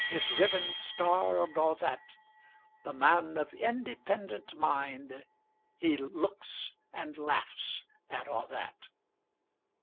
His riband, star, and a' that, The man of independent mind, He looks and laughs at a' that.